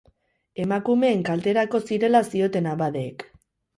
Emakumeen kalterako zirela zioten abadeek.